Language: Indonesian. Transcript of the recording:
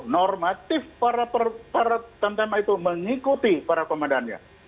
normatif para tantama itu mengikuti para komandannya